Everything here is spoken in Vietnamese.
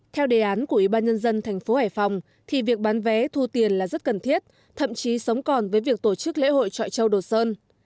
theo đề án của ủy ban nhân dân thành phố hải phòng thì việc bán vé thu tiền là rất cần thiết thậm chí sống còn với việc tổ chức lễ hội trọi châu đồ sơn